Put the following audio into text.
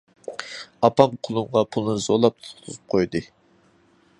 ئاپام قولۇمغا پۇلنى زورلاپ تۇتقۇزۇپ قويدى.